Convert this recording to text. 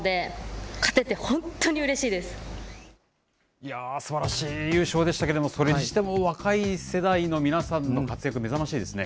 いやー、すばらしい優勝でしたけれども、それにしても若い世代の皆さんの活躍、目覚ましいですね。